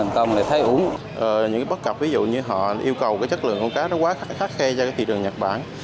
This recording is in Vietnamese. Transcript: nhiều bất cập yêu cầu của chất lượng cá rất khắc